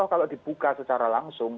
kalau dibuka secara langsung